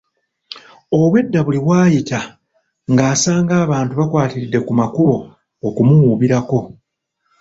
Obwedda buli w'ayita ng'asanga abantu bakwatiridde ku makubo okumuwuubirako.